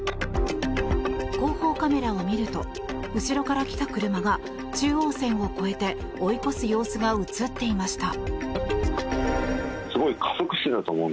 後方カメラを見ると後ろから来た車が中央線を越えて追い越す様子が映っていました。